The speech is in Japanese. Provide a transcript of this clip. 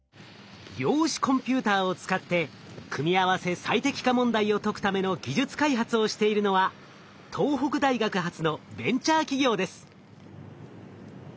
量子コンピューターを使って組合せ最適化問題を解くための技術開発をしているのは東北大学発のベンチャー企業です。